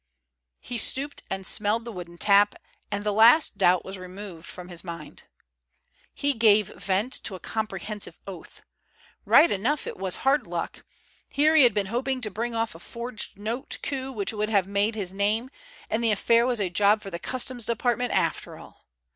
He stooped and smelled the wooden tap, and the last doubt was removed from his mind. He gave vent to a comprehensive oath. Right enough it was hard luck! Here he had been hoping to bring off a forged note coup which would have made his name, and the affair was a job for the Customs Department after all!